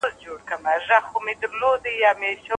هغه د دولت د بیا پرمختګ لپاره ځانګړې شرایط لري.